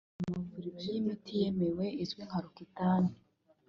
iboneka mu mavuriro y’imiti yemewe izwi nka ‘Roaccutane’